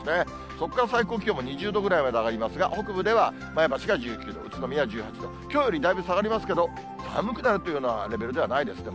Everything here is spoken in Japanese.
そこから最高気温も２０度ぐらいまで上がりますが、北部では前橋が１９度、宇都宮１８度、きょうよりだいぶ下がりますけれども、寒くなるというようなレベルではないですね。